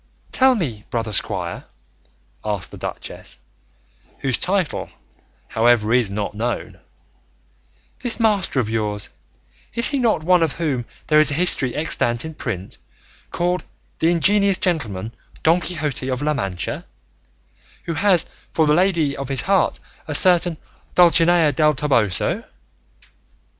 "Tell me, brother squire," asked the duchess (whose title, however, is not known), "this master of yours, is he not one of whom there is a history extant in print, called 'The Ingenious Gentleman, Don Quixote of La Mancha,' who has for the lady of his heart a certain Dulcinea del Toboso?"